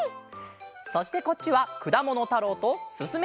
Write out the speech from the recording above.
そしてこっちは「くだものたろう」と「すすめ！